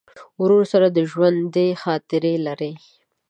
ورور سره د ژوندي خاطرې لرې.